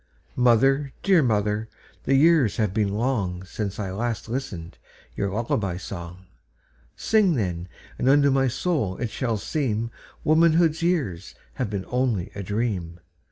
Mother, dear mother, the years have been longSince I last listened your lullaby song:Sing, then, and unto my soul it shall seemWomanhood's years have been only a dream.